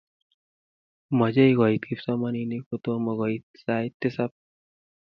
Mochei koit kipsomaninik ko tom koit sait tisab.